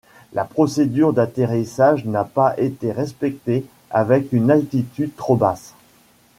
La procédure d’atterrissage n'a pas été respectée avec une altitude trop basse.